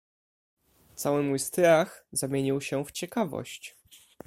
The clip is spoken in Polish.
"Cały mój strach zamienił się w ciekawość."